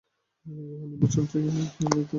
গৃহ নির্মাণ সঞ্চয়ী হিসাবের টাকা কি এখন উঠানো যাবে?